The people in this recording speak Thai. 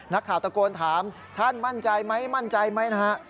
นักข่าวตะโกนถามท่านมั่นใจไหมมั่นใจไหมนะฮะ